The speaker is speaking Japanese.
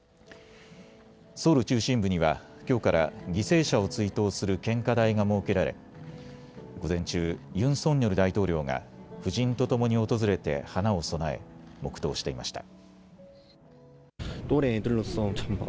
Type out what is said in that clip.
ソウル中心部には、きょうから犠牲者を追悼する献花台が設けられ午前中、ユン・ソンニョル大統領が夫人とともに訪れて花を供え黙とうしていました。